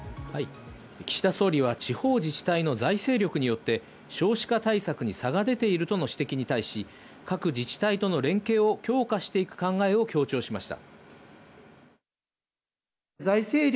岸田総理は地方自治体の財政力によって、少子化対策に差が出ているとの指摘に対し、各自治体との連携を強化していく考えを強調しました。